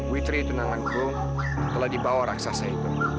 witri tunanganku telah dibawa raksasa itu